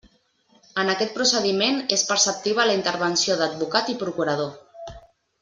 En aquest procediment és preceptiva la intervenció d'advocat i procurador.